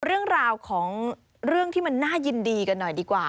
เรื่องราวของเรื่องที่มันน่ายินดีกันหน่อยดีกว่า